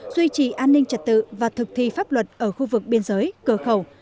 duy trì an ninh trật tự và thực thi pháp luật ở khu vực biên giới cờ khẩu